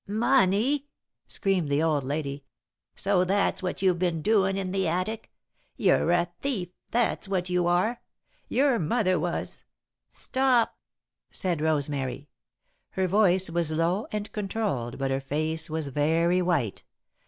"Money!" screamed the old lady. "So that's what you've been doin' in the attic. You're a thief, that's what you are! Your mother was " "Stop!" said Rosemary. Her voice was low and controlled, but her face was very white.